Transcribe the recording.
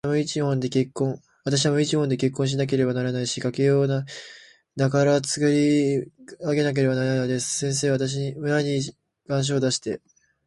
わたしたちは無一文で結婚しなければならないし、家計を無からつくり上げなければならないのです。先生、村に願書を出して、